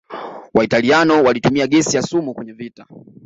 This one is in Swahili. waitaliano walitumia gesi ya sumu kwenye vita